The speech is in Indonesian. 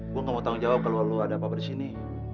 gue gak mau tanggung jawab kalau lo ada apa di sini